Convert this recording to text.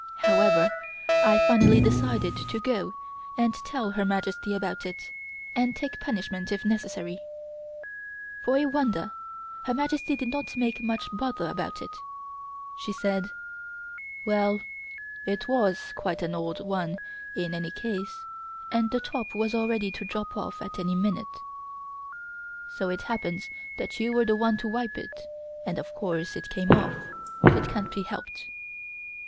However, I finally decided to go and tell Her Majesty about it, and take punishment if necessary. For a wonder Her Majesty did not make much bother about it. She said: "Well it was quite an old one in any case and the top was ready to drop off at any time; it so happens that you were the one to wipe it, and of course it came off. It can't be helped."